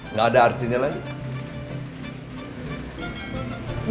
nggak ada artinya lagi